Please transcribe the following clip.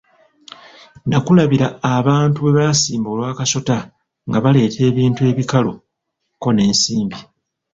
Nakulabira abantu bwe basimba olwa kasota nga baleeta ebintu ebikalu kko n'ensimbi.